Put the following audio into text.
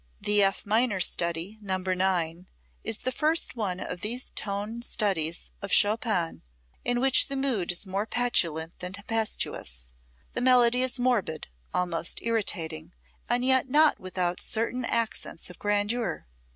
The F minor study, No. 9, is the first one of those tone studies of Chopin in which the mood is more petulant than tempestuous. The melody is morbid, almost irritating, and yet not without certain accents of grandeur.